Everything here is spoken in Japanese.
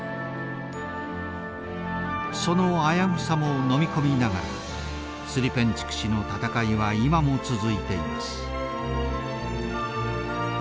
その危うさも飲み込みながらスリペンチュク氏の闘いは今も続いています。